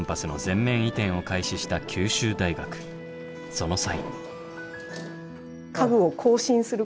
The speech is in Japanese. その際。